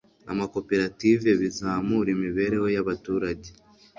amakoperative bizamura imibereho yabaturage